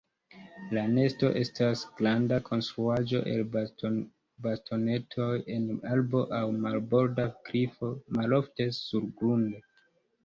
La nesto estas granda konstruaĵo el bastonetoj en arbo aŭ marborda klifo; malofte surgrunde.